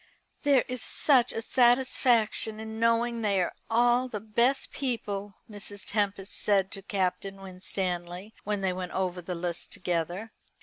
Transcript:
"There is such a satisfaction in knowing they are all the best people," Mrs. Tempest said to Captain Winstanley, when they went over the list together.